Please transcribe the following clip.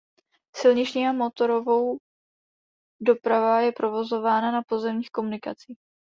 Silniční a motorovou doprava je provozována na pozemních komunikacích.